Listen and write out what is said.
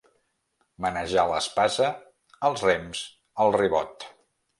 Manejar l'espasa, els rems, el ribot.